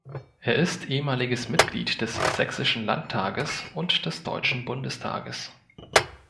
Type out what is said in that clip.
Er ist ehemaliges Mitglied des Sächsischen Landtages und des Deutschen Bundestages.